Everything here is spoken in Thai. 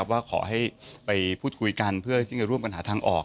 ว่าขอให้ไปพูดคุยกันเพื่อที่จะร่วมกันหาทางออก